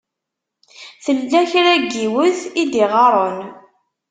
Tella kra n yiwet i d-iɣaṛen.